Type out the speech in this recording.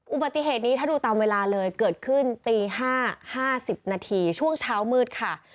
อุบัติเหตุนี้ถ้าดูตามเวลาเลยเกิดขึ้นตี๕๕๐นาทีช่วงเช้ามืดค่ะ